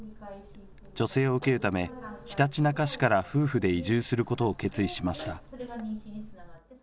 助成を受けるためひたちなか市から夫婦で移住することを決意しました。